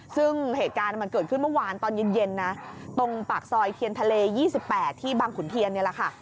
ซึ่งเหตุการณ์มันเกิดขึ้นเมื่อวานตอนเย็นนะตรงปากซอยเทียนทะเล๒๘ที่บางขุนเทียนนี่แหละค่ะ